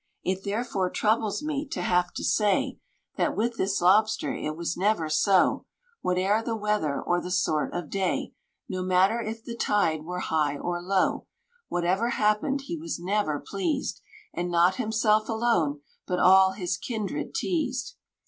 It, therefore, troubles me to have to say, That with this Lobster it was never so; Whate'er the weather or the sort of day, No matter if the tide were high or low, Whatever happened he was never pleased, And not himself alone, but all his kindred teased.